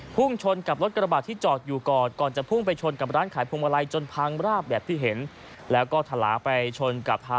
ไปดูทาง